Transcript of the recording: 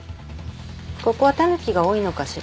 ここはタヌキが多いのかしら？